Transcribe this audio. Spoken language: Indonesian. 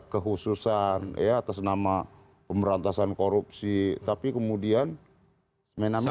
kehususan ya atas nama pemberantasan korupsi tapi kemudian semena mena